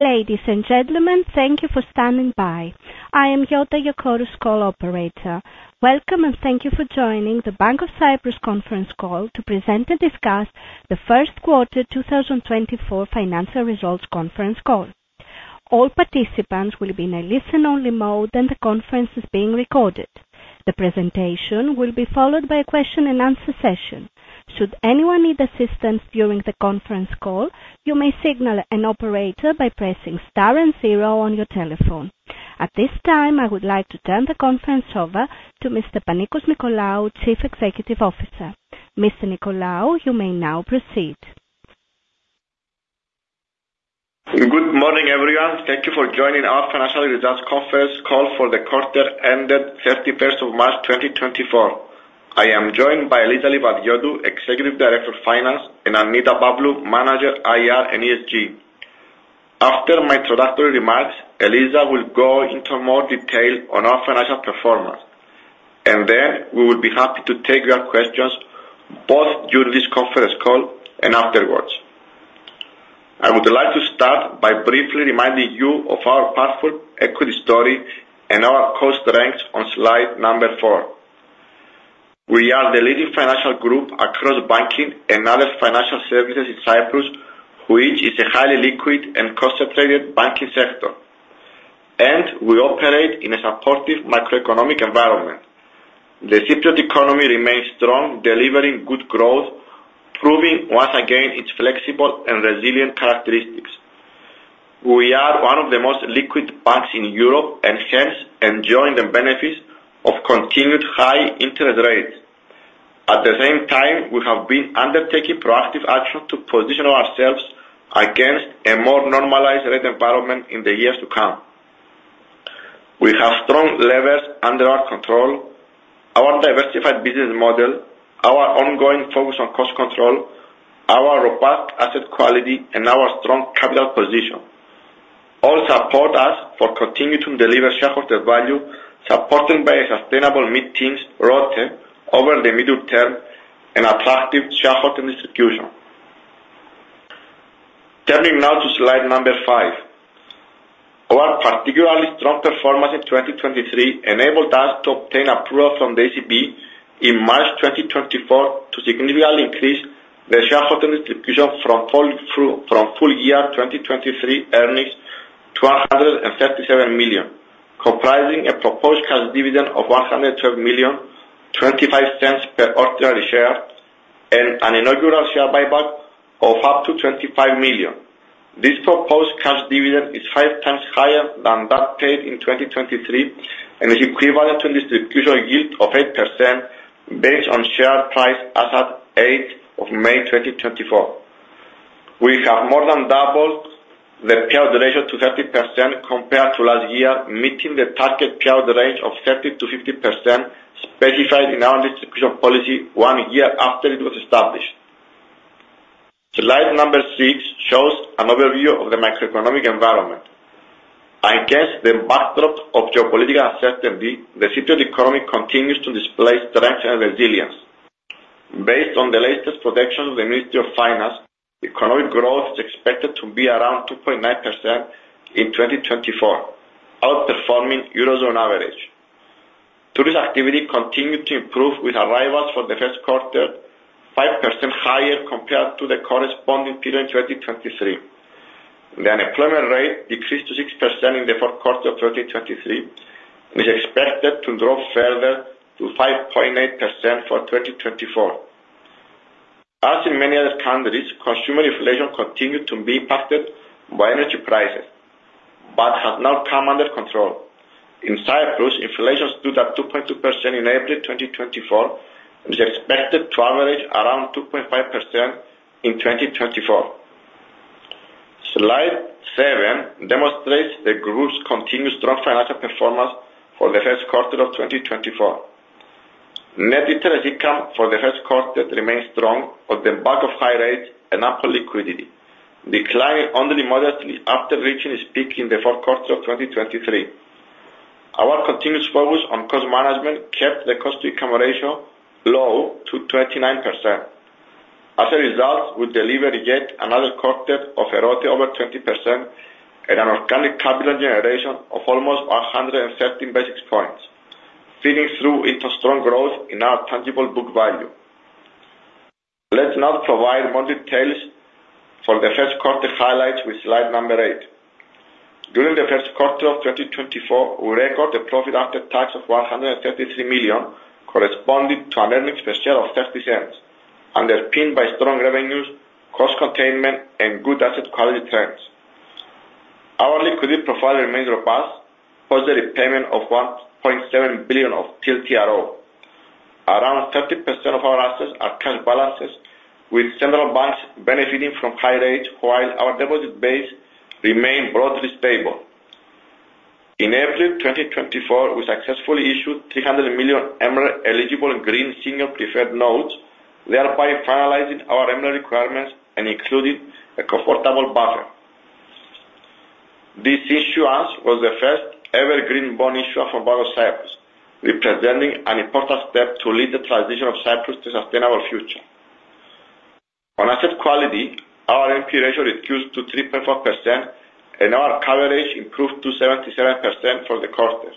Ladies and gentlemen, thank you for standing by. I am Yiota Iacovou, call operator. Welcome, and thank you for joining the Bank of Cyprus conference call to present and discuss the first quarter 2024 financial results conference call. All participants will be in a listen-only mode, and the conference is being recorded. The presentation will be followed by a question-and-answer session. Should anyone need assistance during the conference call, you may signal an operator by pressing star and zero on your telephone. At this time, I would like to turn the conference over to Mr. Panicos Nicolaou, Chief Executive Officer. Mr. Nicolaou, you may now proceed. Good morning, everyone. Thank you for joining our financial results conference call for the quarter ended thirty-first of March, twenty twenty-four. I am joined by Eliza Livadiotou, Executive Director of Finance, and Annita Pavlou, Manager, IR and ESG. After my introductory remarks, Eliza will go into more detail on our financial performance, and then we will be happy to take your questions, both during this conference call and afterwards. I would like to start by briefly reminding you of our powerful equity story and our core strengths on slide number 4. We are the leading financial group across banking and other financial services in Cyprus, which is a highly liquid and concentrated banking sector, and we operate in a supportive macroeconomic environment. The Cypriot economy remains strong, delivering good growth, proving once again its flexible and resilient characteristics. We are one of the most liquid banks in Europe and hence enjoying the benefits of continued high interest rates. At the same time, we have been undertaking proactive action to position ourselves against a more normalized rate environment in the years to come. We have strong levers under our control, our diversified business model, our ongoing focus on cost control, our robust asset quality, and our strong capital position. All support us for continuing to deliver shareholder value, supported by a sustainable mid-teen ROATE over the medium term and attractive shareholder distribution. Turning now to slide number 5. Our particularly strong performance in 2023 enabled us to obtain approval from the ECB in March 2024 to significantly increase the shareholder distribution from full year 2023 earnings to 137 million, comprising a proposed cash dividend of 112 million, 0.25 per ordinary share, and an inaugural share buyback of up to 25 million. This proposed cash dividend is five times higher than that paid in 2023 and is equivalent to distribution yield of 8% based on share price as at 8th of May, 2024. We have more than doubled the payout ratio to 30% compared to last year, meeting the target payout range of 30%-50% specified in our distribution policy one year after it was established. Slide number 6 shows an overview of the macroeconomic environment. Against the backdrop of geopolitical uncertainty, the Cypriot economy continues to display strength and resilience. Based on the latest projections of the Ministry of Finance, economic growth is expected to be around 2.9% in 2024, outperforming Eurozone average. Tourist activity continued to improve, with arrivals for the first quarter 5% higher compared to the corresponding period in 2023. The unemployment rate decreased to 6% in the fourth quarter of 2023 and is expected to drop further to 5.8% for 2024. As in many other countries, consumer inflation continued to be impacted by energy prices, but has now come under control. In Cyprus, inflation stood at 2.2% in April 2024, and is expected to average around 2.5% in 2024. Slide 7 demonstrates the group's continued strong financial performance for the first quarter of 2024. Net interest income for the first quarter remains strong on the back of high rates and ample liquidity, declining only modestly after reaching its peak in the fourth quarter of 2023. Our continuous focus on cost management kept the cost income ratio low to 29%. As a result, we delivered yet another quarter of ROATE over 20% and an organic capital generation of almost 113 basis points, feeding through into strong growth in our tangible book value. Let's now provide more details for the first quarter highlights with slide number 8. During the first quarter of 2024, we recorded a profit after tax of 133 million, corresponding to an earnings per share of 0.30 EUR, underpinned by strong revenues, cost containment, and good asset quality trends. Our liquidity profile remains robust, post the repayment of 1.7 billion of TLTRO. Around 30% of our assets are cash balances, with central banks benefiting from high rates, while our deposit base remain broadly stable. In April 2024, we successfully issued 300 million MREL eligible green senior preferred notes, thereby finalizing our MREL requirements and including a comfortable buffer. This issuance was the first ever green bond issue for Bank of Cyprus, representing an important step to lead the transition of Cyprus to sustainable future. On asset quality, our NP ratio reduced to 3.4%, and our coverage improved to 77% for the quarter.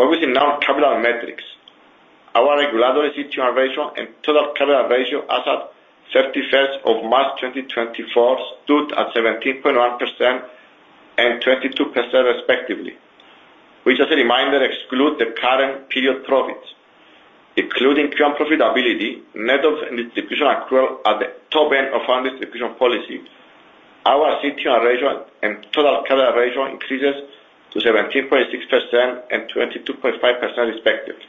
Moving now to capital metrics. Our regulatory CET1 ratio and total capital ratio, as at 31st of March 2024, stood at 17.1% and 22% respectively, which, as a reminder, exclude the current period profits, including current profitability, net of distribution accrual at the top end of our distribution policy. Our CET1 ratio and total capital ratio increases to 17.6% and 22.5% respectively.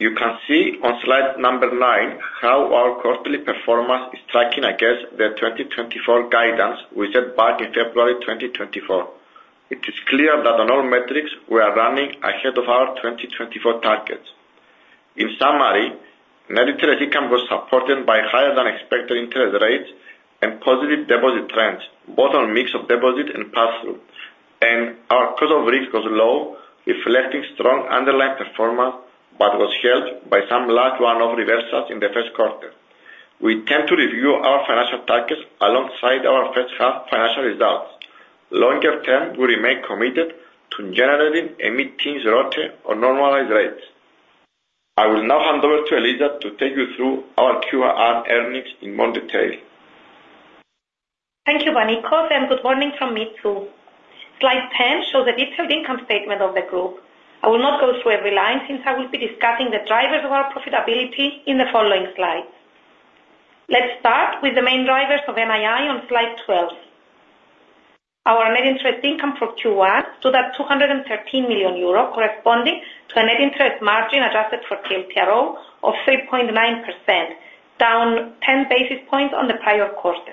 You can see on slide 9 how our quarterly performance is tracking against the 2024 guidance we set back in February 2024. It is clear that on all metrics, we are running ahead of our 2024 targets. In summary, net interest income was supported by higher than expected interest rates and positive deposit trends, both on mix of deposit and pass-through, and our cost of risk was low, reflecting strong underlying performance, but was held by some large one-off reversals in the first quarter. We intend to review our financial targets alongside our first half financial results. Longer term, we remain committed to generating and maintaining return on normalized rates. I will now hand over to Eliza to take you through our Q1 earnings in more detail. Thank you, Panicos, and good morning from me, too. Slide 10 shows the detailed income statement of the group. I will not go through every line, since I will be discussing the drivers of our profitability in the following slides. Let's start with the main drivers of NII on slide 12. Our net interest income for Q1 stood at 213 million euro, corresponding to a net interest margin adjusted for TLTRO of 3.9%, down 10 basis points on the prior quarter.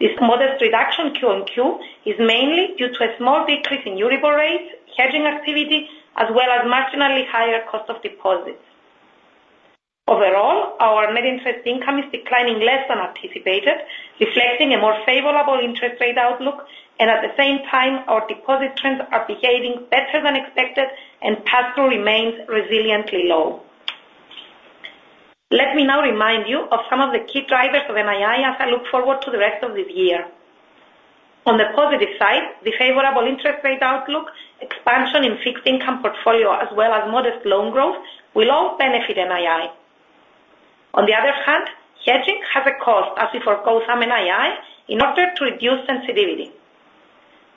This modest reduction Q-on-Q is mainly due to a small decrease in EURIBOR rates, hedging activity, as well as marginally higher cost of deposits. Overall, our net interest income is declining less than anticipated, reflecting a more favorable interest rate outlook, and at the same time, our deposit trends are behaving better than expected and pass-through remains resiliently low. Let me now remind you of some of the key drivers of NII as I look forward to the rest of this year. On the positive side, the favorable interest rate outlook, expansion in fixed income portfolio, as well as modest loan growth, will all benefit NII. On the other hand, hedging has a cost, as we forego some NII in order to reduce sensitivity.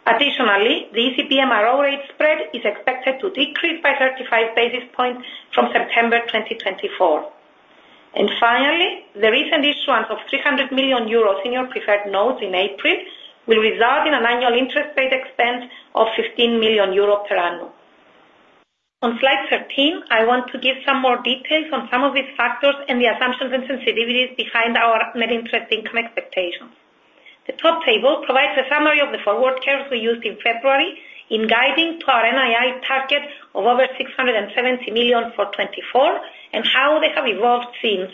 Additionally, the ECB MRO rate spread is expected to decrease by 35 basis points from September 2024. And finally, the recent issuance of 300 million euro senior preferred notes in April will result in an annual interest rate expense of 15 million euro per annum. On slide 13, I want to give some more details on some of these factors and the assumptions and sensitivities behind our net interest income expectations. The top table provides a summary of the forward curves we used in February in guiding to our NII target of over 670 million for 2024, and how they have evolved since.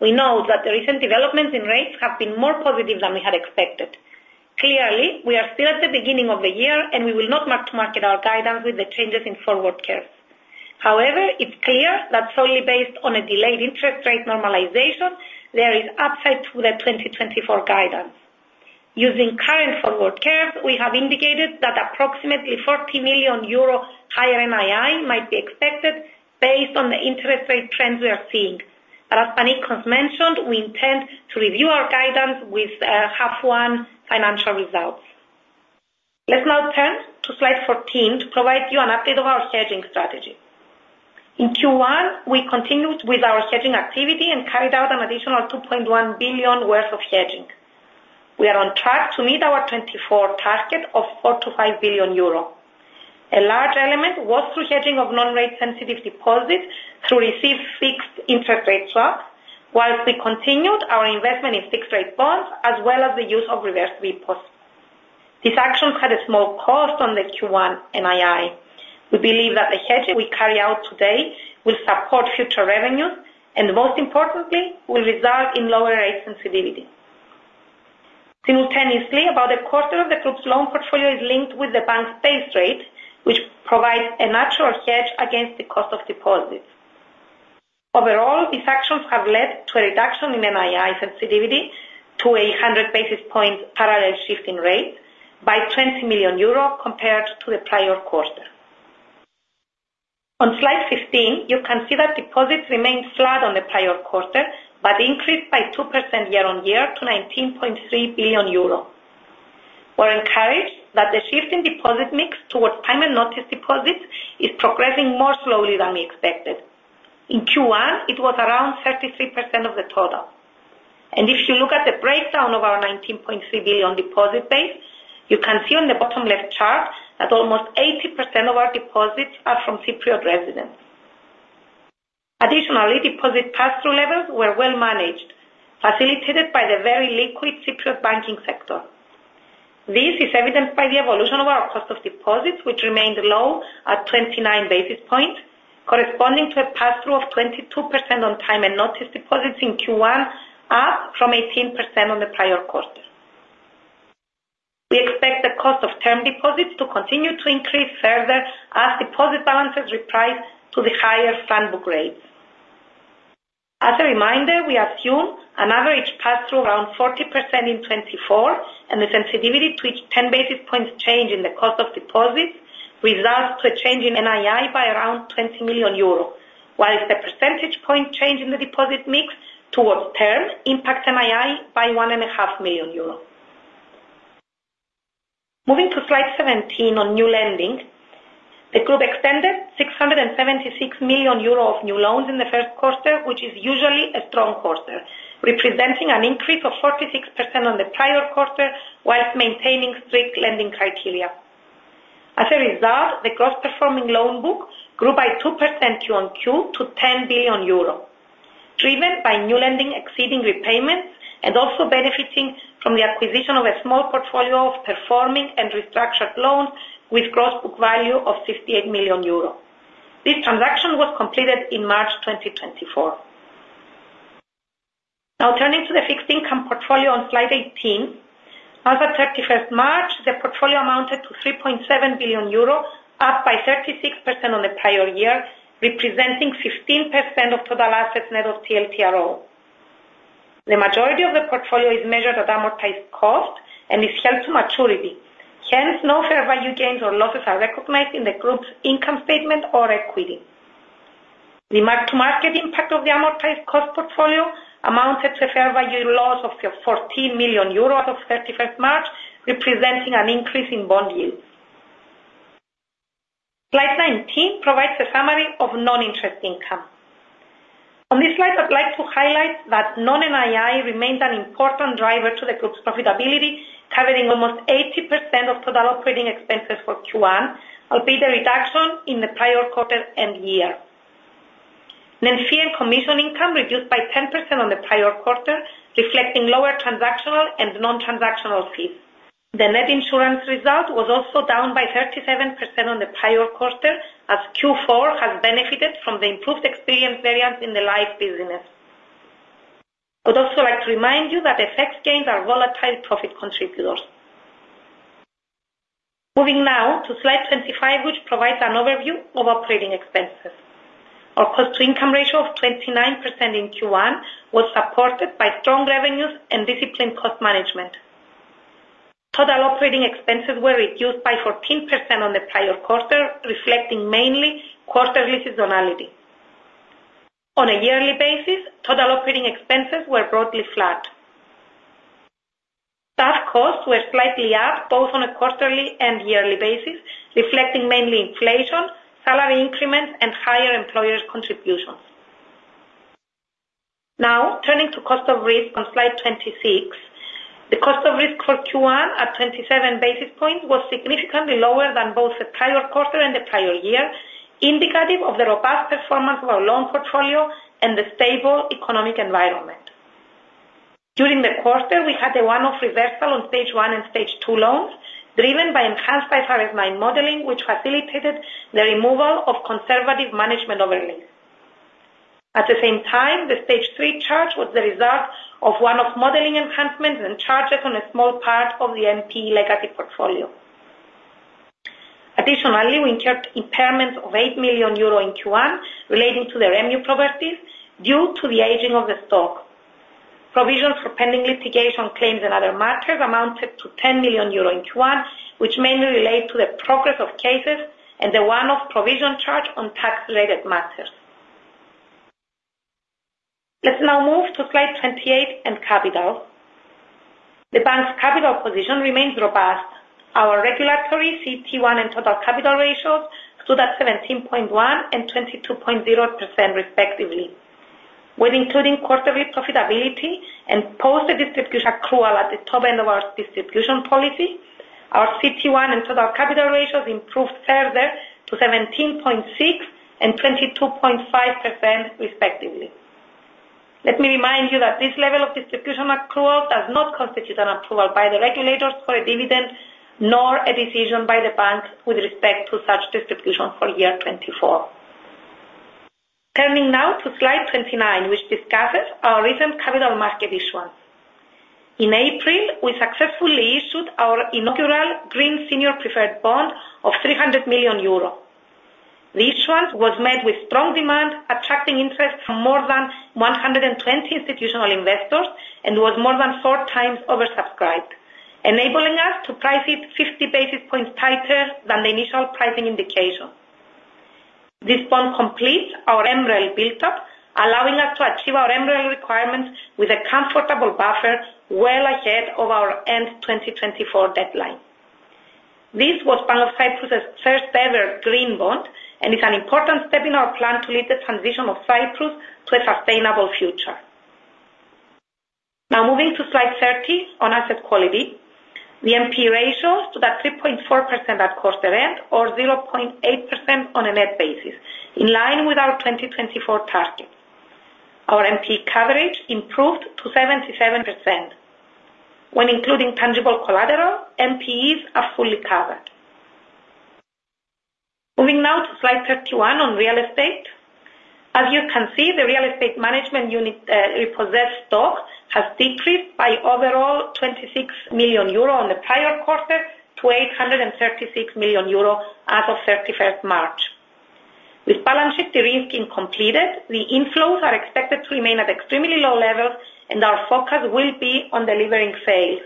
We know that the recent developments in rates have been more positive than we had expected. Clearly, we are still at the beginning of the year, and we will not mark to market our guidance with the changes in forward curves. However, it's clear that solely based on a delayed interest rate normalization, there is upside to the 2024 guidance. Using current forward curves, we have indicated that approximately 40 million euro higher NII might be expected based on the interest rate trends we are seeing. But as Panicos mentioned, we intend to review our guidance with half one financial results. Let's now turn to slide 14 to provide you an update of our hedging strategy. In Q1, we continued with our hedging activity and carried out an additional 2.1 billion worth of hedging. We are on track to meet our 2024 target of 4 billion-5 billion euro. A large element was through hedging of non-rate sensitive deposits through received fixed interest rate swap, while we continued our investment in fixed rate bonds as well as the use of reverse repos. These actions had a small cost on the Q1 NII. We believe that the hedging we carry out today will support future revenues, and most importantly, will result in lower rate sensitivity. Simultaneously, about a quarter of the group's loan portfolio is linked with the bank's base rate, which provides a natural hedge against the cost of deposits. Overall, these actions have led to a reduction in NII sensitivity to 100 basis points parallel shift in rate by 20 million euros compared to the prior quarter. On slide 15, you can see that deposits remained flat on the prior quarter, but increased by 2% year-on-year to 19.3 billion euros. We're encouraged that the shift in deposit mix towards time and notice deposits is progressing more slowly than we expected. In Q1, it was around 33% of the total. And if you look at the breakdown of our 19.3 billion deposit base, you can see on the bottom left chart that almost 80% of our deposits are from Cypriot residents. Additionally, deposit pass-through levels were well managed, facilitated by the very liquid Cypriot banking sector. This is evidenced by the evolution of our cost of deposits, which remained low at 29 basis points, corresponding to a pass-through of 22% on time and notice deposits in Q1, up from 18% on the prior quarter.... expect the cost of term deposits to continue to increase further as deposit balances reprice to the higher standbook rates. As a reminder, we assume an average pass-through around 40% in 2024, and the sensitivity to each 10 basis points change in the cost of deposits results to a change in NII by around 20 million euro. While the percentage point change in the deposit mix towards term impacts NII by 1.5 million euros. Moving to slide 17 on new lending, the group extended 676 million euro of new loans in the first quarter, which is usually a strong quarter, representing an increase of 46% on the prior quarter, while maintaining strict lending criteria. As a result, the gross performing loan book grew by 2% Q on Q to 10 billion euro, driven by new lending exceeding repayments, and also benefiting from the acquisition of a small portfolio of performing and restructured loans with gross book value of 58 million euro. This transaction was completed in March 2024. Now, turning to the fixed income portfolio on slide 18. As at 31 March, the portfolio amounted to 3.7 billion euro, up by 36% on the prior year, representing 15% of total assets net of TLTRO. The majority of the portfolio is measured at amortized cost and is held to maturity. Hence, no fair value gains or losses are recognized in the group's income statement or equity. The mark-to-market impact of the amortized cost portfolio amounted to a fair value loss of 14 million euros as of 31st March, representing an increase in bond yields. Slide 19 provides a summary of non-interest income. On this slide, I'd like to highlight that non-NII remains an important driver to the group's profitability, covering almost 80% of total operating expenses for Q1, albeit a reduction in the prior quarter and year. Fee and commission income reduced by 10% on the prior quarter, reflecting lower transactional and non-transactional fees. The net insurance result was also down by 37% on the prior quarter, as Q4 has benefited from the improved experience variance in the life business. I'd also like to remind you that FX gains are volatile profit contributors. Moving now to slide 25, which provides an overview of operating expenses. Our cost to income ratio of 29% in Q1 was supported by strong revenues and disciplined cost management. Total operating expenses were reduced by 14% on the prior quarter, reflecting mainly quarterly seasonality. On a yearly basis, total operating expenses were broadly flat. Staff costs were slightly up, both on a quarterly and yearly basis, reflecting mainly inflation, salary increments and higher employer contributions. Now, turning to cost of risk on slide 26. The cost of risk for Q1 at 27 basis points was significantly lower than both the prior quarter and the prior year, indicative of the robust performance of our loan portfolio and the stable economic environment. During the quarter, we had a one-off reversal on stage one and stage two loans, driven by enhanced IFRS 9 modeling, which facilitated the removal of conservative management overlay. At the same time, the stage three charge was the result of one-off modeling enhancements and charges on a small part of the NPE legacy portfolio. Additionally, we incurred impairments of 8 million euro in Q1 relating to the REMU properties due to the aging of the stock. Provisions for pending litigation claims and other matters amounted to 10 million euro in Q1, which mainly relate to the progress of cases and the one-off provision charge on tax-related matters. Let's now move to slide 28 and capital. The bank's capital position remains robust. Our regulatory CET1 and total capital ratios stood at 17.1% and 22.0%, respectively. When including quarterly profitability and post the distribution accrual at the top end of our distribution policy, our CET1 and total capital ratios improved further to 17.6% and 22.5%, respectively. Let me remind you that this level of distribution accrual does not constitute an approval by the regulators for a dividend, nor a decision by the bank with respect to such distribution for 2024. Turning now to slide 29, which discusses our recent capital market issuance. In April, we successfully issued our inaugural green senior preferred bond of 300 million euro. This one was made with strong demand, attracting interest from more than 120 institutional investors, and was more than 4x oversubscribed, enabling us to price it 50 basis points tighter than the initial pricing indication. This bond completes our MREL built up, allowing us to achieve our MREL requirements with a comfortable buffer well ahead of our end 2024 deadline. This was Bank of Cyprus's first ever green bond, and it's an important step in our plan to lead the transition of Cyprus to a sustainable future. Now, moving to slide 30 on asset quality. The NPE ratios stood at 3.4% at quarter end or 0.8% on a net basis, in line with our 2024 targets. Our NPE coverage improved to 77%. When including tangible collateral, NPEs are fully covered. Slide 31 on real estate. As you can see, the real estate management unit, repossessed stock has decreased by overall 26 million euro on the prior quarter, to 836 million euro as of 31 March. With balance sheet de-risking completed, the inflows are expected to remain at extremely low levels, and our focus will be on delivering sales.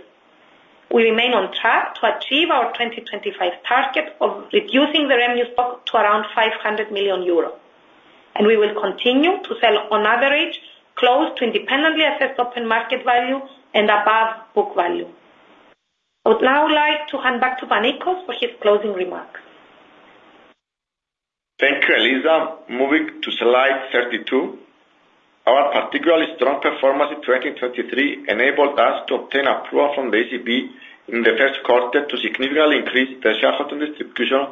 We remain on track to achieve our 2025 target of reducing the REMU stock to around 500 million euros, and we will continue to sell on average, close to independently assessed open market value and above book value. I would now like to hand back to Panicos for his closing remarks. Thank you, Eliza. Moving to slide 32. Our particularly strong performance in 2023 enabled us to obtain approval from the ECB in the first quarter to significantly increase the shareholder distribution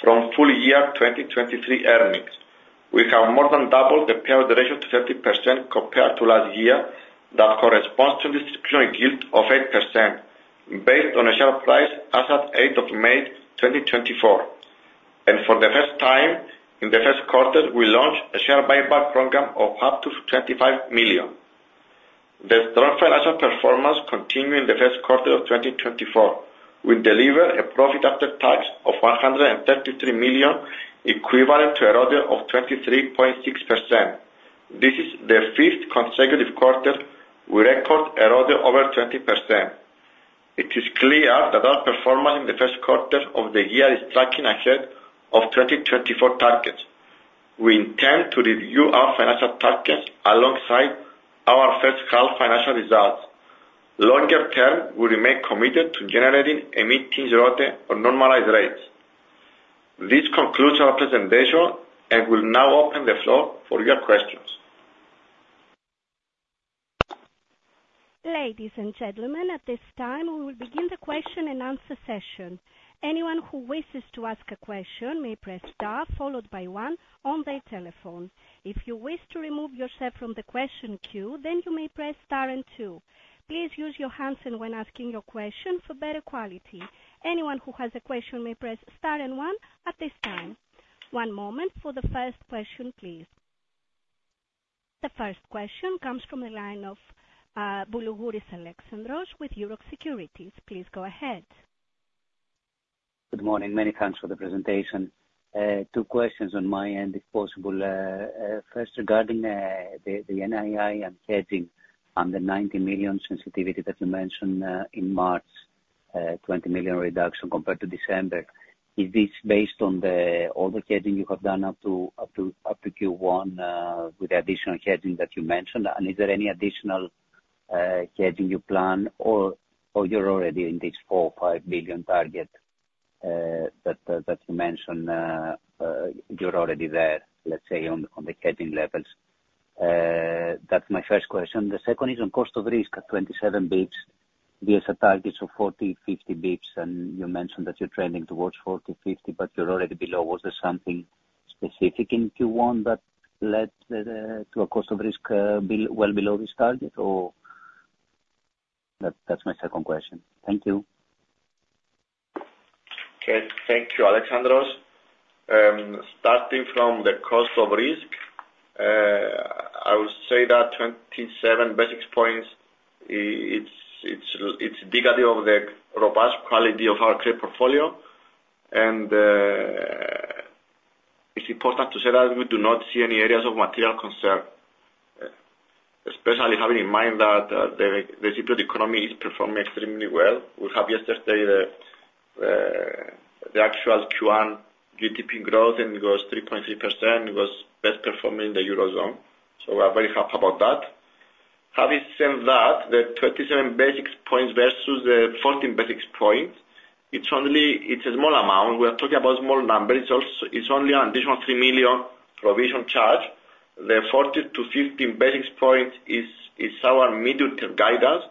from full year 2023 earnings. We have more than doubled the payout ratio to 30% compared to last year. That corresponds to distribution yield of 8%, based on a share price as at 8th of May, 2024. For the first time, in the first quarter, we launched a share buyback program of up to 25 million. The strong financial performance continued in the first quarter of 2024. We delivered a profit after tax of 133 million, equivalent to a ROTE of 23.6%. This is the fifth consecutive quarter we record a ROTE over 20%. It is clear that our performance in the first quarter of the year is tracking ahead of 2024 targets. We intend to review our financial targets alongside our first half financial results. Longer term, we remain committed to generating a mid-teens ROTE on normalized rates. This concludes our presentation, and we'll now open the floor for your questions. Ladies and gentlemen, at this time, we will begin the question and answer session. Anyone who wishes to ask a question may press star, followed by one on their telephone. If you wish to remove yourself from the question queue, then you may press star and two. Please use your handset when asking your question for better quality. Anyone who has a question may press star and one at this time. One moment for the first question, please. The first question comes from the line of Alexandros Boulougouris with Euroxx Securities. Please go ahead. Good morning. Many thanks for the presentation. Two questions on my end, if possible. First, regarding the NII and hedging on the 90 million sensitivity that you mentioned in March, 20 million reduction compared to December. Is this based on all the hedging you have done up to Q1 with the additional hedging that you mentioned? And is there any additional hedging you plan or you're already in this 4-5 billion target that you mentioned, you're already there, let's say, on the hedging levels? That's my first question. The second is on cost of risk at 27 basis points. There's a target of 40-50 basis points, and you mentioned that you're trending towards 40-50, but you're already below. Was there something specific in Q1 that led to a cost of risk well below this target, or? That's my second question. Thank you. Okay, thank you, Alexandros. Starting from the cost of risk, I would say that 27 basis points, it's indicative of the robust quality of our trade portfolio, and it's important to say that we do not see any areas of material concern, especially having in mind that the Cypriot economy is performing extremely well. We have yesterday the actual Q1 GDP growth, and it was 3.3%. It was best performing in the Eurozone, so we are very happy about that. Having said that, the 27 basis points versus the 14 basis points, it's only... It's a small amount. We are talking about small numbers. It's only an additional 3 million provision charge. The 40-15 basis points is our medium-term guidance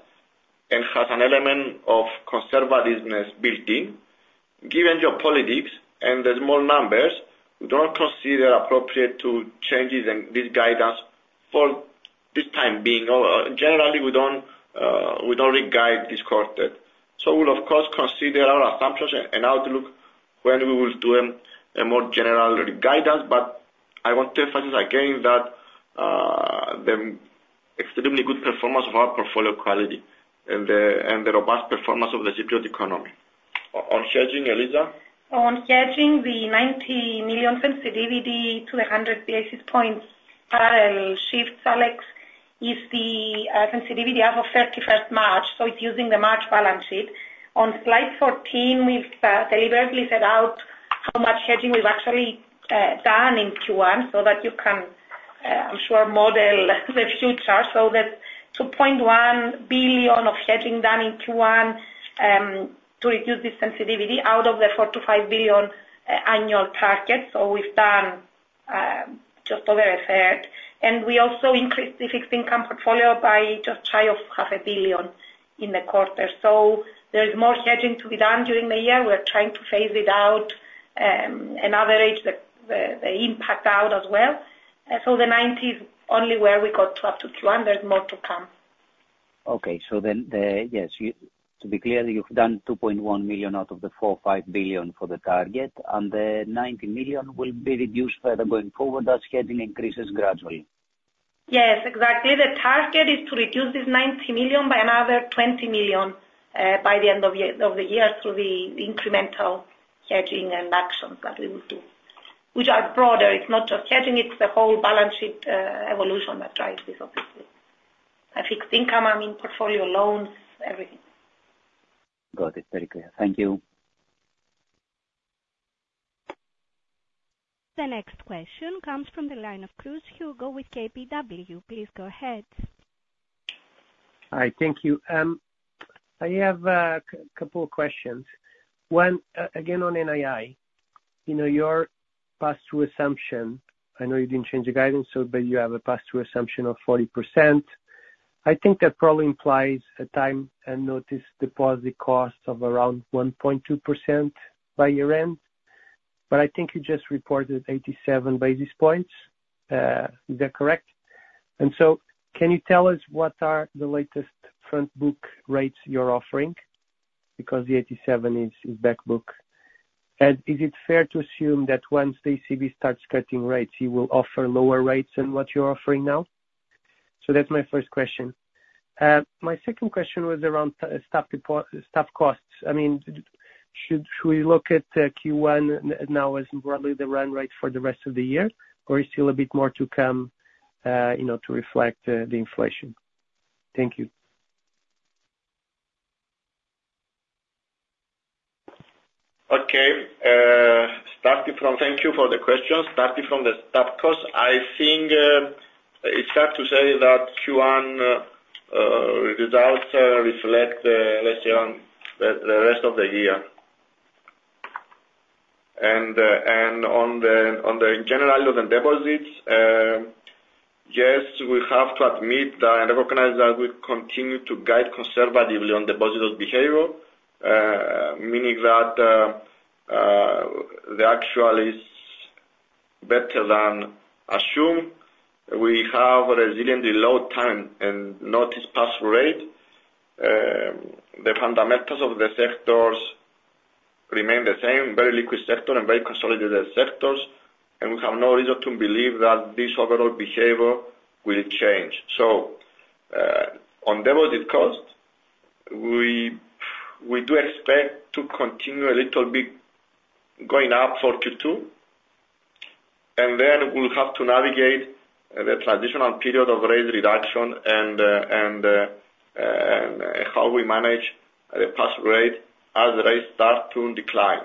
and has an element of conservatism built in. Given geopolitics and the small numbers, we don't consider appropriate to changes in this guidance for this time being. Generally, we don't re-guide this quarter. So we'll of course consider our assumptions and outlook when we will do a more general guidance, but I want to emphasize again that the extremely good performance of our portfolio quality and the robust performance of the Cypriot economy. On hedging, Eliza? On hedging, the 90 million sensitivity to 100 basis points, parallel shifts, Alex, is the sensitivity as of 31 March, so it's using the March balance sheet. On slide 14, we've deliberately set out how much hedging we've actually done in Q1, so that you can, I'm sure, model the future. So there's 2.1 billion of hedging done in Q1 to reduce the sensitivity out of the 4 billion-5 billion annual target. So we've done just over a third, and we also increased the fixed income portfolio by just shy of 0.5 billion in the quarter. So there's more hedging to be done during the year. We're trying to phase it out and average the the impact out as well. So the ninety is only where we got up to Q1. There's more to come.... Okay, so then to be clear, you've done 2.1 million out of the 4.5 billion for the target, and the 90 million will be reduced further going forward as scheduling increases gradually? Yes, exactly. The target is to reduce this 90 million by another 20 million by the end of the year through the incremental hedging and actions that we will do, which are broader. It's not just hedging, it's the whole balance sheet evolution that drives this, obviously. A fixed income, I mean, portfolio loans, everything. Got it. Very clear. Thank you. The next question comes from the line of Hugo Cruz with KBW. Please go ahead. Hi, thank you. I have a couple of questions. One, again, on NII. You know, your pass-through assumption, I know you didn't change the guidance, so, but you have a pass-through assumption of 40%. I think that probably implies a time and notice deposit cost of around 1.2% by year-end, but I think you just reported 87 basis points. Is that correct? And so can you tell us what are the latest front book rates you're offering? Because the 87 is back book. And is it fair to assume that once the ECB starts cutting rates, you will offer lower rates than what you're offering now? So that's my first question. My second question was around staff costs. I mean, should we look at Q1 now as broadly the run rate for the rest of the year, or is still a bit more to come, you know, to reflect the inflation? Thank you. Thank you for the question. Starting from the staff cost, I think it's hard to say that Q1 results reflect, let's say, on the rest of the year. And on the general level of deposits, yes, we have to admit that and recognize that we continue to guide conservatively on depositors' behavior, meaning that the actual is better than assumed. We have a resiliently low time and notice pass-through rate. The fundamentals of the sectors remain the same, very liquid sector and very consolidated sectors, and we have no reason to believe that this overall behavior will change. So, on deposit cost, we do expect to continue a little bit going up for Q2, and then we'll have to navigate the transitional period of rate reduction and how we manage the pass rate as the rates start to decline.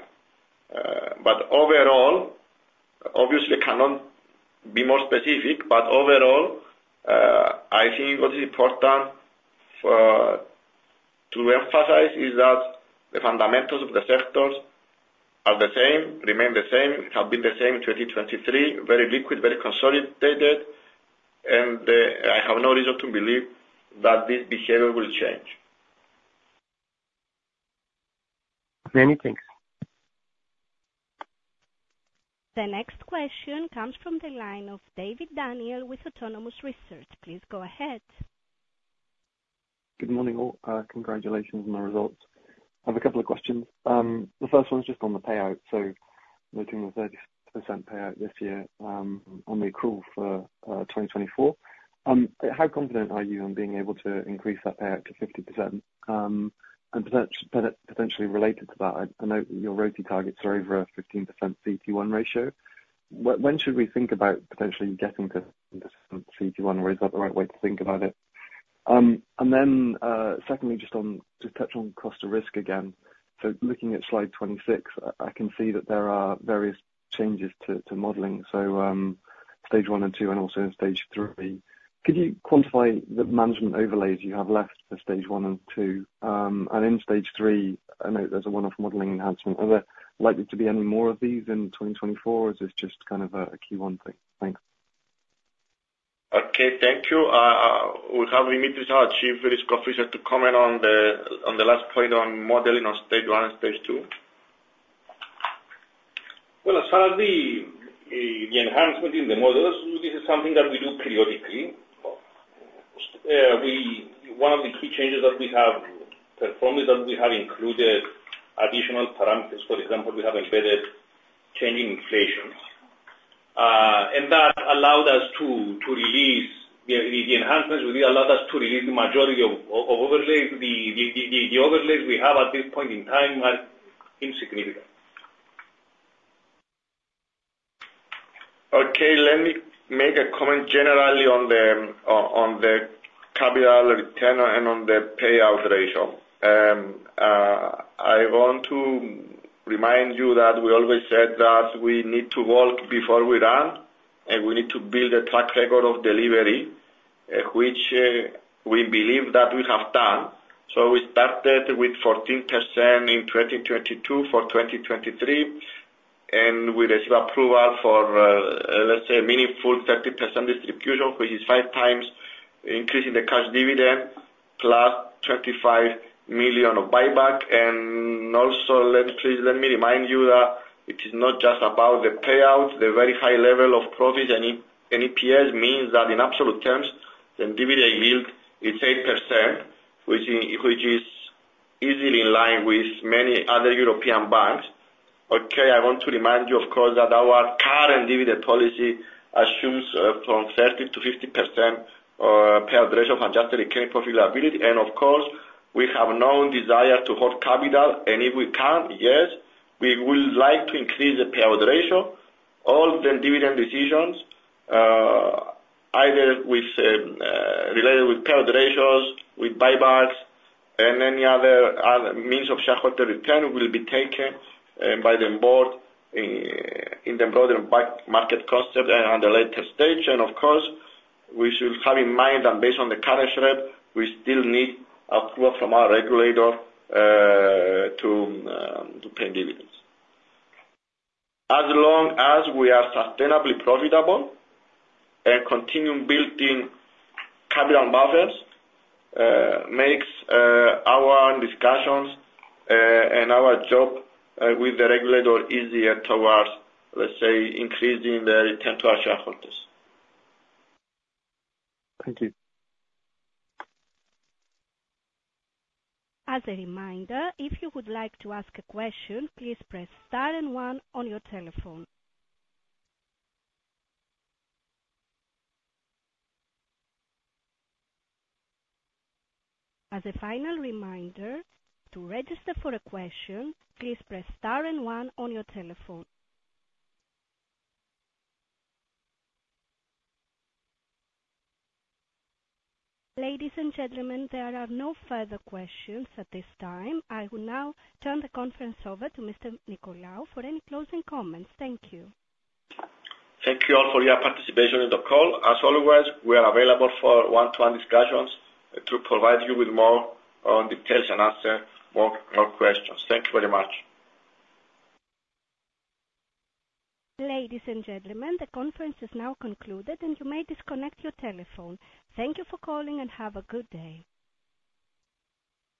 But overall, obviously cannot be more specific, but overall, I think what is important for, to emphasize is that the fundamentals of the sectors are the same, remain the same, have been the same in 2023, very liquid, very consolidated, and I have no reason to believe that this behavior will change. Many thanks. The next question comes from the line of Daniel David with Autonomous Research. Please go ahead. Good morning, all. Congratulations on the results. I have a couple of questions. The first one is just on the payout. So looking at the 30% payout this year, on the accrual for 2024, how confident are you on being able to increase that payout to 50%, and potentially related to that, I know your ROTE targets are over a 15% CET1 ratio. When should we think about potentially getting to CET1, or is that the right way to think about it? And then, secondly, just on to touch on cost of risk again. So looking at slide 26, I can see that there are various changes to modeling, so stage one and two, and also in stage three. Could you quantify the management overlays you have left for stage one and two? In stage three, I know there's a one-off modeling enhancement. Are there likely to be any more of these in 2024, or is this just kind of a key one thing? Thanks. Okay, thank you. We have Demetris, our Chief Risk Officer, to comment on the last point on modeling on stage one and stage two. Well, as far as the enhancement in the models, this is something that we do periodically. One of the key changes that we have performed is that we have included additional parameters. For example, we have embedded changing inflations, and that allowed us to release the majority of overlays. The overlays we have at this point in time are insignificant. Okay, let me make a comment generally on the capital return and on the payout ratio. I want to remind you that we always said that we need to walk before we run, and we need to build a track record of delivery, which we believe that we have done. So we started with 14% in 2022, for 2023, and we received approval for, let's say, a meaningful 30% distribution, which is 5 times increasing the cash dividend, plus 35 million of buyback, and also please let me remind you that it is not just about the payout, the very high level of profits and EPS means that in absolute terms, the dividend yield is 8%, which is easily in line with many other European banks. Okay, I want to remind you, of course, that our current dividend policy assumes from 30%-50% payout ratio of adjusted recurring profitability. And of course, we have no desire to hold capital, and if we can, yes, we would like to increase the payout ratio. All the dividend decisions either with related with payout ratios, with buybacks, and any other means of shareholder return, will be taken by the board in the broader bank market concept and at a later stage. And of course, we should have in mind that based on the current share, we still need approval from our regulator to pay dividends. As long as we are sustainably profitable and continue building capital buffers, makes our discussions and our job with the regulator easier towards, let's say, increasing the return to our shareholders. Thank you. As a reminder, if you would like to ask a question, please press star and one on your telephone. As a final reminder, to register for a question, please press star and one on your telephone. Ladies and gentlemen, there are no further questions at this time. I will now turn the conference over to Mr. Nicolaou for any closing comments. Thank you. Thank you all for your participation in the call. As always, we are available for one-to-one discussions to provide you with more details and answer more questions. Thank you very much. Ladies and gentlemen, the conference is now concluded, and you may disconnect your telephone. Thank you for calling and have a good day.